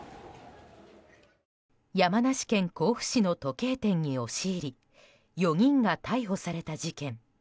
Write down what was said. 山梨県甲府市の時計店に押し入り４人が逮捕された事件。